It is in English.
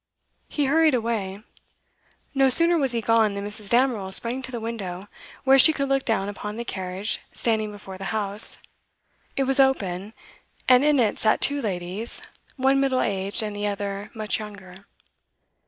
He hurried away. No sooner was he gone than Mrs. Damerel sprang to the window, where she could look down upon the carriage standing before the house; it was open, and in it sat two ladies, one middle aged, the other much younger.